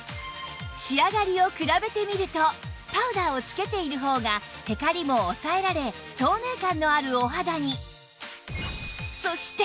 仕上がりを比べてみるとパウダーをつけている方がテカリも抑えられ透明感のあるお肌に！